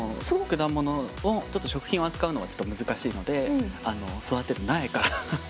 果物をちょっと食品を扱うのはちょっと難しいので育てる苗から。